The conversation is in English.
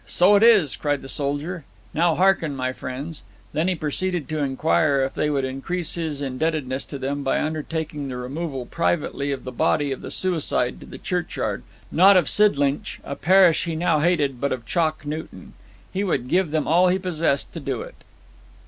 So it is!' cried the soldier. 'Now hearken, my friends.' Then he proceeded to inquire if they would increase his indebtedness to them by undertaking the removal, privately, of the body of the suicide to the churchyard, not of Sidlinch, a parish he now hated, but of Chalk Newton. He would give them all he possessed to do it.